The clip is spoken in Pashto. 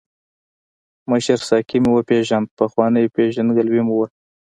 مشر ساقي مې وپیژاند، پخوانۍ پېژندګلوي مو وه.